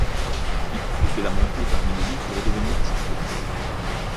Il profite de la montée parmi l'élite pour devenir titulaire.